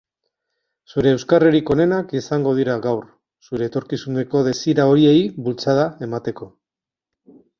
Zure euskarririk onenak izango dira gaur, zure etorkizuneko desira horiei bultzada emateko.